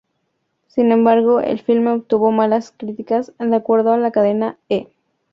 Sin embargo, el filme obtuvo malas críticas; de acuerdo a la cadena "E!